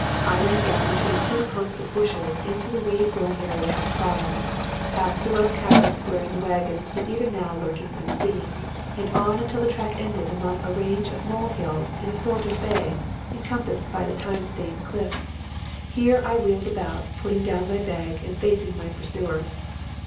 I ran down between two clumps of bushes, into the weed grown area at the bottom, past the row of caverns wherein the wagons were even now lurking unseen, and on until the track ended among a range of mole hills in a sort of bay encompassed by the time stained cliff. Here I wheeled about, putting down my bag, and faced my pursuer.